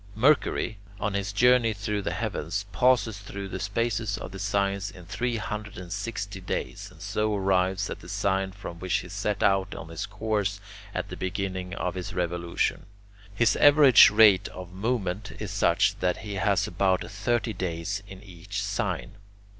Mercury, on his journey through the heavens, passes through the spaces of the signs in three hundred and sixty days, and so arrives at the sign from which he set out on his course at the beginning of his revolution. His average rate of movement is such that he has about thirty days in each sign.